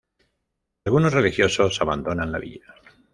Algunos religiosos abandonan la villa.